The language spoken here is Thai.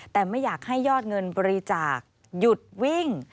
แต่ไม่อยากให้ยอดเงินบริจาคหยุดวิ่ง